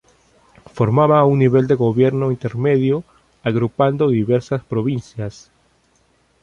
Formaba un nivel de gobierno intermedio, agrupando diversas provincias.